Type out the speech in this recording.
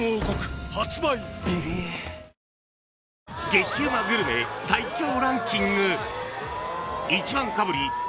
［激うまグルメ最強ランキング］